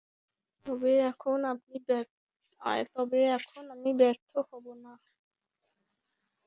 তবে এখন আমি ব্যর্থ হবো না।